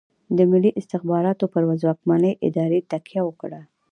د ملي استخباراتو پر ځواکمنې ادارې تکیه وکړه.